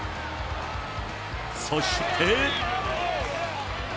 そして。